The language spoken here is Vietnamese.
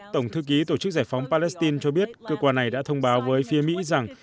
tổng thư ký tổ chức giải phóng palestine cho biết cơ quan này đã thông báo với phía mỹ rằng